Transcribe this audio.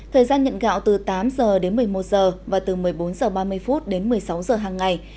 thời gian nhận gạo từ tám h đến một mươi một h và từ một mươi bốn h ba mươi đến một mươi sáu h hàng ngày